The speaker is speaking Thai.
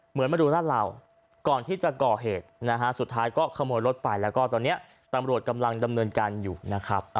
เหมือนมาดูราดเหล่าก่อนที่จะก่อเหตุนะฮะสุดท้ายก็ขโมยรถไปแล้วก็ตอนนี้ตำรวจกำลังดำเนินการอยู่นะครับ